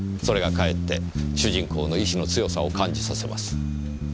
それがかえって主人公の意志の強さを感じさせます。